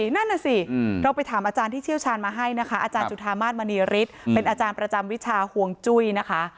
นั่นน่ะสิเราไปถามอาจารย์ที่เชี่ยวชาญมาให้นะคะอาจารย์จุธามาสมณีฤทธิ์เป็นอาจารย์ประจำวิชาห่วงจุ้ยนะคะ